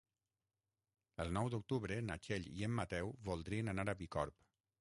El nou d'octubre na Txell i en Mateu voldrien anar a Bicorb.